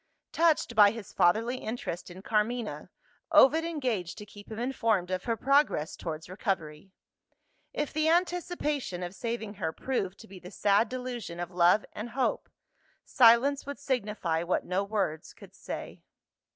Touched by his fatherly interest in Carmina, Ovid engaged to keep him informed of her progress towards recovery. If the anticipation of saving her proved to be the sad delusion of love and hope, silence would signify what no words could say.